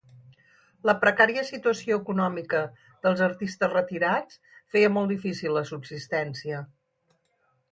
La precària situació econòmica dels artistes retirats feia molt difícil la subsistència.